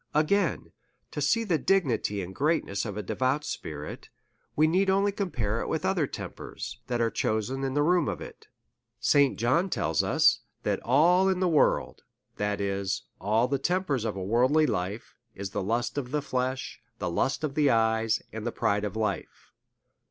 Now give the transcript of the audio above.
Again : To see the dignity and greatness of a devout spirit, we need only compare it with other tempers that are chosen in the room of it. St. John tells us^ DEVOUT AND HOLY LIFE. 349 that all in the world (that is, all the tempers of a worldly life) is the lust of the flesh, the lust of the eyes, and the pride of life.